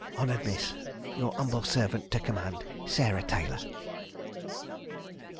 honuered Mis yore Humbel serv(t). to comand "SARAH TAYLER."